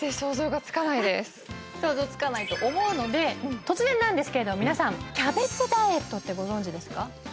想像つかないと思うので突然なんですけれど皆さんキャベツダイエットってご存じですか？